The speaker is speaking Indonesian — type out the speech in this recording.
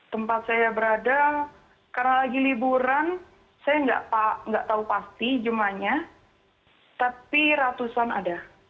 tempat saya berada karena lagi liburan saya nggak tahu pasti jumlahnya tapi ratusan ada